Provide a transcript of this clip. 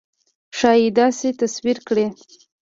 ښایي داسې تصویر کړي.